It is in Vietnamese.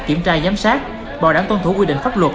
kiểm tra giám sát bảo đảm tuân thủ quy định pháp luật